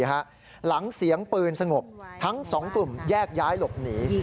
หลังเสียงปืนสงบทั้งสองกลุ่มแยกย้ายหลบหนี